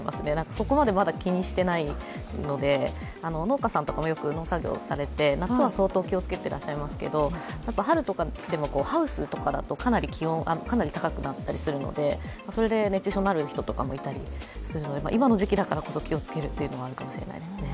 そこまでまだ、気にしてないので農家さんとかもよく農作業されて夏は相当気をつけてらっしゃいますけど春とかでも、ハウスとかだと気温がかなり高くなったりするのでそれで熱中症になる人もいたりするので今の時期だからこそ気をつけるというのがあるのかもしれませんね。